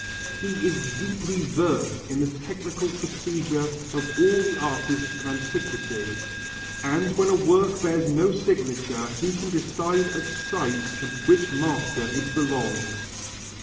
He is deeply versed in the technical procedure of all the artists of antiquity, and when a work bears no signature he can decide at sight to which master it belongs.